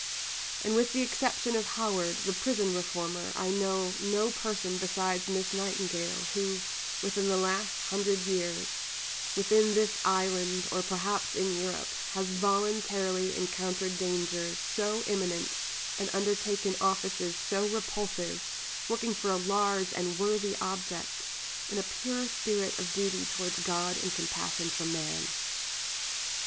And with the exception of Howard, the prison reformer, I know no person besides Miss Nightingale, who, within the last hundred years, within this island, or perhaps in Europe, has voluntarily encountered dangers so imminent, and undertaken offices so repulsive, working for a large and worthy object, in a pure spirit of duty towards God and compassion for man."